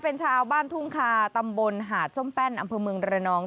เป็นชาวบ้านทุ่งคาตำบลหาดส้มแป้นอำเภอเมืองระนอง